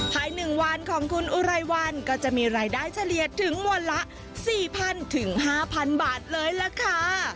ภาย๑วันของคุณอุไรวันก็จะมีรายได้เฉลี่ยถึงวันละ๔๐๐๐ถึง๕๐๐บาทเลยล่ะค่ะ